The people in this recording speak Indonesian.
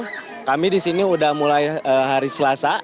mungkin kami sepuluh orang kami disini udah mulai hari selasa